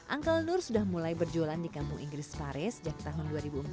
ankle nur sudah mulai berjualan di kampung inggris pare sejak tahun dua ribu empat